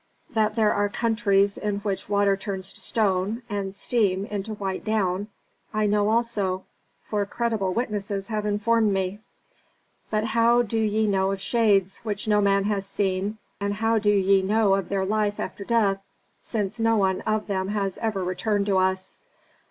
That there are countries in which water turns to stone, and steam into white down, I know also, for credible witnesses have informed me." "But how do ye know of shades which no man has seen, and how do ye know of their life after death since no one of them has ever returned to us?"